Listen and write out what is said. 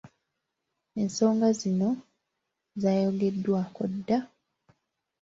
Ensonga zino zaayogeddwako dda.